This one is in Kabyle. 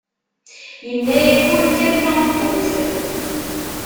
Yenna-ak ur kkat tameṭṭut.